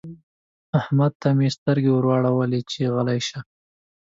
احمد ته مې سترګې ور واړولې چې غلی شه.